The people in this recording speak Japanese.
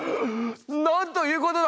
なんということだ！